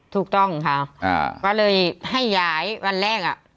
ถูกต้องค่ะก็เลยให้ย้ายวันแรกอ่ะ